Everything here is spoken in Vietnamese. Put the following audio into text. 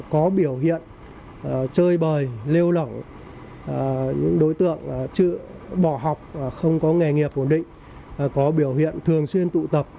có biểu hiện chơi bời lêu lỏng những đối tượng bỏ học không có nghề nghiệp ổn định có biểu hiện thường xuyên tụ tập